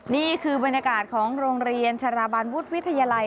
นี่คือบรรยากาศของโรงเรียนชราบานวุฒิวิทยาลัย